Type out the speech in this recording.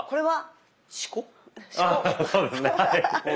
はい。